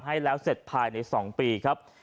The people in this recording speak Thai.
ให้แล้วเสร็จภายใน๒ปีครับ